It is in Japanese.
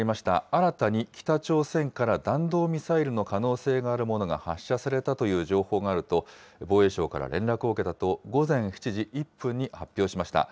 新たに北朝鮮から弾道ミサイルの可能性のあるものが発射されたという情報があると、防衛省から連絡を受けたと、午前７時１分に発表しました。